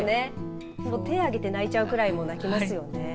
手を上げて泣いちゃうぐらい泣きますよね。